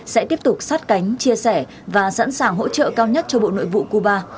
sẽ tiếp tục sát cánh chia sẻ và sẵn sàng hỗ trợ cao nhất cho bộ nội vụ cuba